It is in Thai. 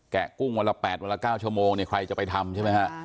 กุ้งวันละ๘วันละ๙ชั่วโมงเนี่ยใครจะไปทำใช่ไหมฮะ